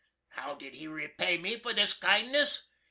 How did he repay me for this kindness?